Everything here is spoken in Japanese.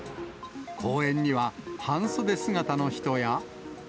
公園には半袖姿の人や。